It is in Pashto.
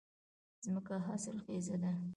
ځمکه حاصلخېزه ده